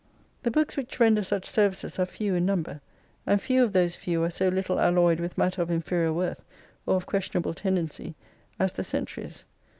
The books which render such services are few in number ; and few of those few are so little alloyed with matter of inferior worth or of questionable tendency as the " Centuries."